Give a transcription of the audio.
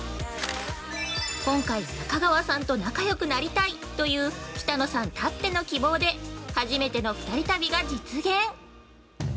今回、中川さんと仲よくなりたいという北乃さんたっての希望で初めての二人旅が実現。